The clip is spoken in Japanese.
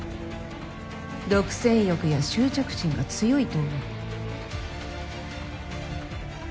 独占欲や執着心が強いと思う」。